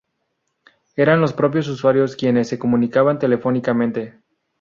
Eran los propios usuarios quienes se comunicaban telefónicamente.